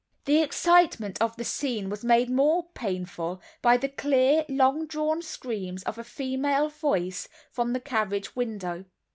The excitement of the scene was made more painful by the clear, long drawn screams of a female voice from the carriage window.